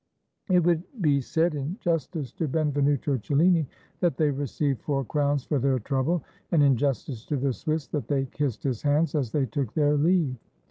It should be said, in justice to Benvenuto Cellini, that they received four crowns for their trouble, and in justice to the Swiss, that they kissed his hands as they took their leave.